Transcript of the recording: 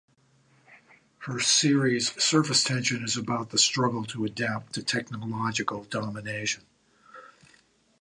Her series "Surface Tension" is about the struggle to adapt to technological domination.